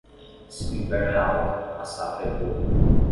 Se o inverno é alto, a safra é boa.